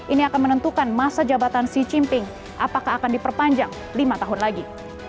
ini akan menentukan masa jabatan xi jinping apakah akan diperpanjang lima tahun lagi